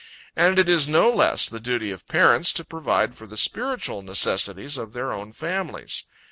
And it is no less the duty of parents to provide for the spiritual necessities of their own families.